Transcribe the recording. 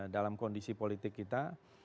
dalam kondisi politik kita